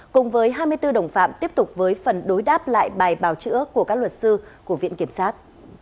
cùng với hai mươi bốn đồng phạm tiếp tục với phần đối đáp lại bài bào chữa của các luật sư của viện kiểm sát